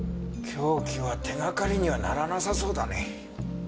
凶器は手がかりにはならなさそうだね。